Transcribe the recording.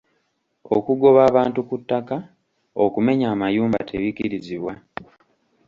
Okugoba abantu ku ttaka, okumenya amayumba tebikkirizibwa.